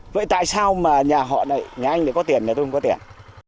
vậy tại sao mà nhà họ này nhà anh này có tiền mà tôi không có tiền